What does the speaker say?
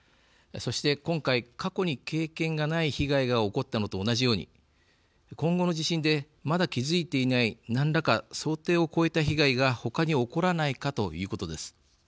そして今回、過去に経験がない被害が起こったのと同じように今後の地震でまだ気づいていない何らか想定を越えた被害が他に起こらないかということです。